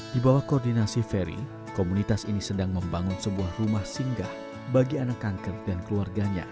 di bawah koordinasi ferry komunitas ini sedang membangun sebuah rumah singgah bagi anak kanker dan keluarganya